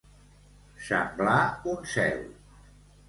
Semblar un cel.